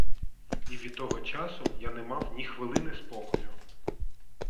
І від того часу я не мав ні хвилини спокою.